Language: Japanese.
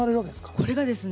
これがですね